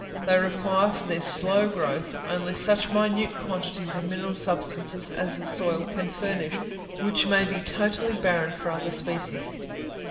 They require, for their slow growth, only such minute quantities of mineral substances as the soil can furnish, which may be totally barren for other species.